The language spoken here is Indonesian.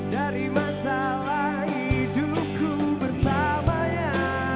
dari masalah hidupku bersamanya